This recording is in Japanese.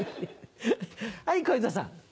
はい小遊三さん。